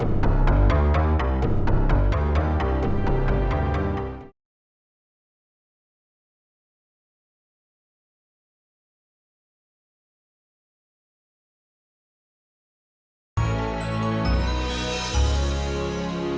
dan membuat zalle pakai festival sebesar itu jangan lupa nama nya mungkin